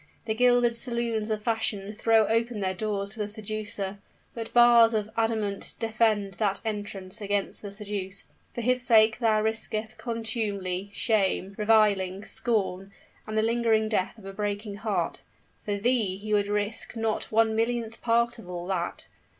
The gilded saloons of fashion throw open their doors to the seducer; but bars of adamant defend that entrance against the seduced. For his sake thou risketh contumely, shame, reviling, scorn, and the lingering death of a breaking heart, for thee he would not risk one millionth part of all that!